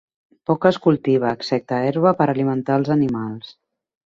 Poc es cultiva, excepte herba per alimentar els animals.